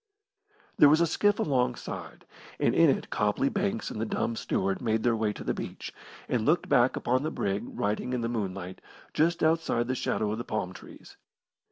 There was a skiff alongside, and in it Copley Banks and the dumb steward made their way to the beach, and looked back upon the brig riding in the moon light just outside the shadow of the palm trees.